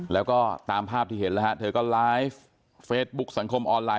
แล้วก็ตามภาพที่เห็นแล้วฮะเธอก็ไลฟ์เฟซบุ๊คสังคมออนไลน